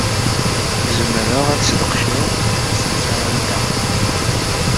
Zemreɣ ad sqedceɣ tasnasɣalt-a?